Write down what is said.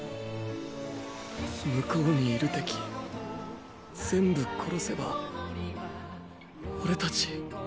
向こうにいる敵全部殺せばオレたち